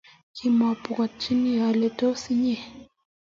Komapwoti ale tos inyo